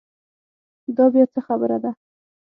دا بیا څه خبره ده.